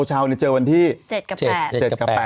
เช้าเจอวันที่๗กับ๘